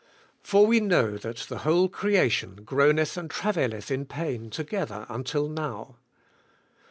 "For we know that the whole creation groaneth and travailqth in pain together until now."